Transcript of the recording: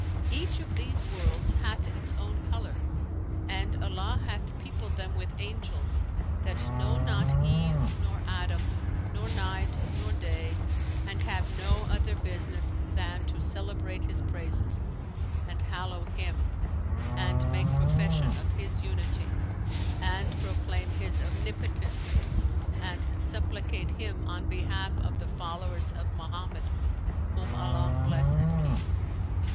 Each of these worlds hath its own colour, and Allah hath peopled them with angels, that know not Eve nor Adam nor night nor day, and have no other business than to celebrate His praises and hallow Him and make profession of His Unity and proclaim His Omnipotence and supplicate Him on behalf of the followers of Mohammed (whom Allah bless and keep!).